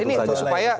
itu persoalan lain